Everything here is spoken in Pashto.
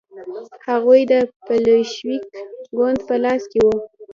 هغوی د بلشویک ګوند په راس کې وو.